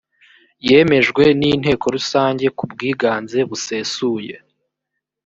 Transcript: yemejwe n inteko rusange kubwiganze busesuye